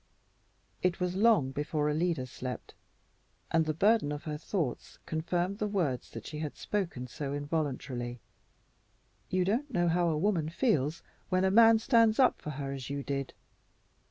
It was long before Alida slept, and the burden of her thoughts confirmed the words that she had spoken so involuntarily. "You don't know how a woman feels when a man stands up for her as you did."